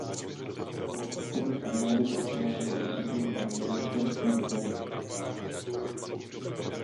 Po odchodu z armády pracoval jako úředník na ministerstvu zahraničí.